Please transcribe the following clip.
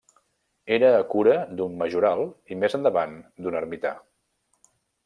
Era a cura d'un majoral i més endavant d'un ermità.